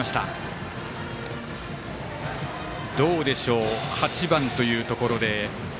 どうでしょう８番というところで。